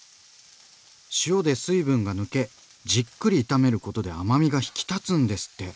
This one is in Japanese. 塩で水分が抜けじっくり炒めることで甘みが引き立つんですって。